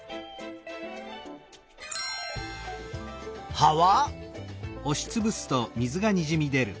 葉は？